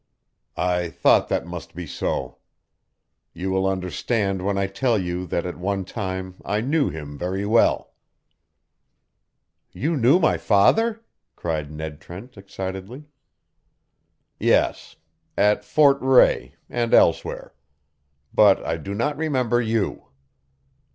"I thought that must be so. You will understand when I tell you that at one time I knew him very well." "You knew my father?" cried Ned Trent, excitedly. "Yes. At Fort Rae, and elsewhere. But I do not remember you."